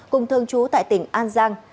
cùng thương chú tại tỉnh an giang